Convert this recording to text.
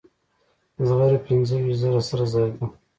زغره پنځه ویشت زره سره زر ده.